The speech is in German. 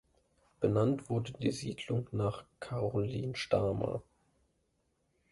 Benannt wurde die Siedlung nach Karoline Stahmer.